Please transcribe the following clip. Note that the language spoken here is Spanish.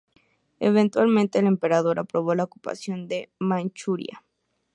Eventualmente, el Emperador aprobó la ocupación de Manchuria.